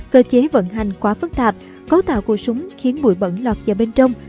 cơ chế vận hành quá phức tạp cấu tạo của súng khiến bụi bẩn lọt vào bên trong